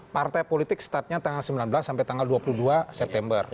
partai politik startnya tanggal sembilan belas sampai tanggal dua puluh dua september